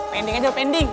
pending aja udah pending